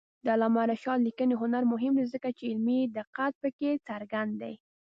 د علامه رشاد لیکنی هنر مهم دی ځکه چې علمي دقت پکې څرګند دی.